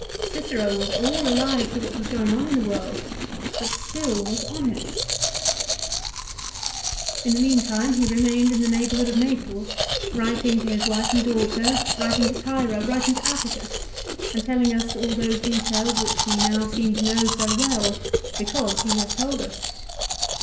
Cicero was all alive to what was going on in the world, but still was honest ! In the meantime he re mained in the neighbourhood of Naples, writing to his wife and daughter, writing to Tiro, writing to Atticus, and telling us all those details which we now seem to know so well, because he has told us.